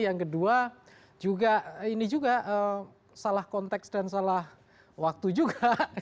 yang kedua juga ini juga salah konteks dan salah waktu juga